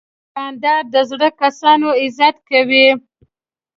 دوکاندار د زړو کسانو عزت کوي.